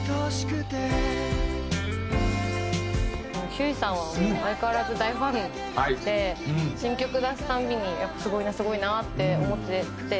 ひゅーいさんは相変わらず大ファンで新曲出すたびにやっぱすごいなすごいなって思ってて。